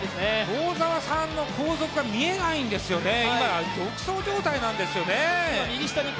幸澤さんの後続が見えないんです、今、独走状態ですね。